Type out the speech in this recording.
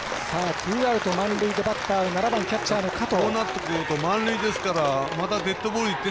ツーアウト、満塁でバッターは７番のキャッチャー、加藤。